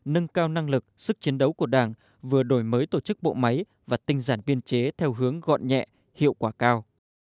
nâng cao năng lực sức chiến đấu của đảng vừa đổi mới tổ chức bộ máy và tinh giản biên chế theo hướng gọn nhẹ hiệu quả cao